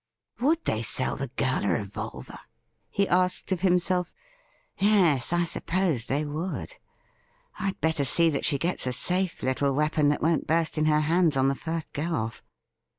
' Would they sell the girl a revolver .?' he asked of him self. 'Yes, I suppose they would. I'd better see that she gets a safe little weapon that won't burst in her hands on the first go off.'